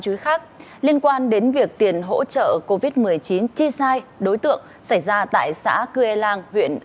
chú ý khác liên quan đến việc tiền hỗ trợ cô viết một mươi chín chi sai đối tượng xảy ra tại xã cư e làng huyện